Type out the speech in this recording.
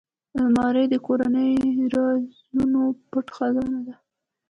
الماري د کورنۍ رازونو پټ خزانه ده